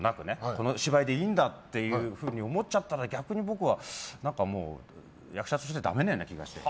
この芝居でいいんだというふうに思っちゃったら逆に僕は役者としてだめなような気がして。